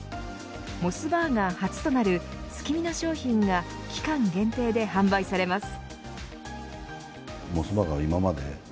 モスバーガー初となる月見の商品が期間限定で販売されます。